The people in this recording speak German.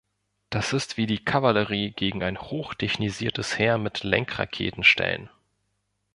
Das ist wie die Kavallerie gegen ein hoch technisiertes Heer mit Lenkraketen stellen.